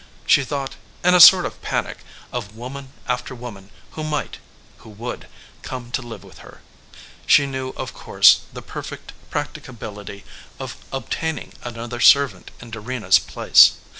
She thought, in a sort of panic, of woman after woman, who might, who would, come to live with her. She knew, of course, the perfect practicability of obtaining another servant in Dorena s place.